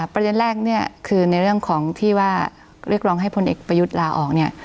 ประเด็นแรกเนี่ยคือในเรื่องของที่ว่าเรียกร้องให้พลเอกประยุทธ์ลาออกเนี่ย